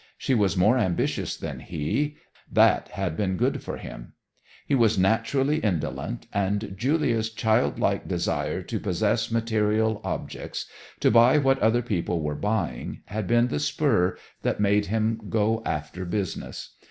She was more ambitious than he, that had been good for him. He was naturally indolent, and Julia's childlike desire to possess material objects, to buy what other people were buying, had been the spur that made him go after business.